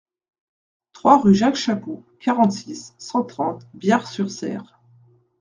trois rue Jacques Chapou, quarante-six, cent trente, Biars-sur-Cère